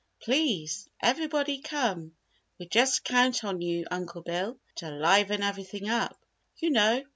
Please, everybody come! We just count on you, Uncle Bill, to liven everything up, you know."